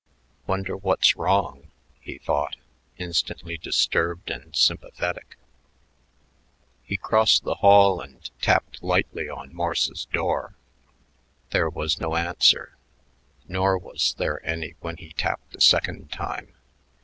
"Wonder what's wrong," he thought, instantly disturbed and sympathetic. He crossed the hall and tapped lightly on Morse's door. There was no answer; nor was there any when he tapped a second time.